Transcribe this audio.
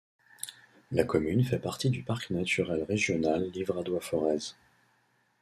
La commune fait partie du parc naturel régional Livradois-Forez.